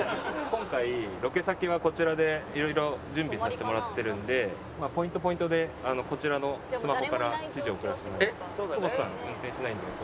今回ロケ先はこちらでいろいろ準備させてもらってるんでポイントポイントでこちらのスマホから指示を送らせてもらいます。